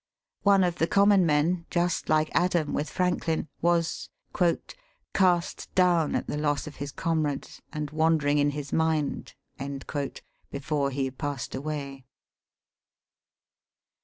One of the common men, just like Adam with Franklin, was " cast down at the loss of his comrades, and wandering in his mind " before he passed away.